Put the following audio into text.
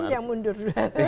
saya yang mundur